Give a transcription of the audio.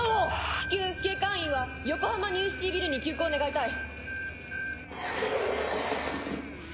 至急警戒員は横浜ニューシティービルに急行願いたい。